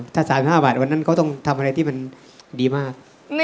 ถ้า๓๕บาทวันนั้นเขาต้องทำอะไรที่มันดีมาก